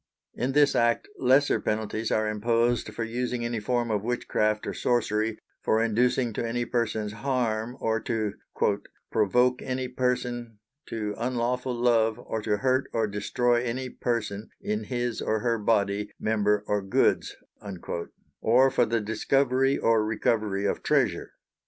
In this act lesser penalties are imposed for using any form of witchcraft or sorcery, for inducing to any persons harm, or to "provoke any person to unlawfull love or to hurt or destroy any person in his or her bodye, member or goods," or for the discovery or recovery of treasure.